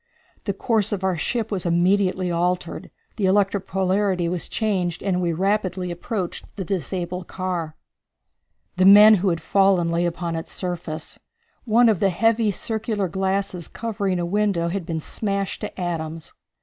The course of our ship was immediately altered, the electric polarity was changed, and we rapidly approached the disabled car. The men who had fallen lay upon its surface. One of the heavy circular glasses covering a window had been smashed to atoms.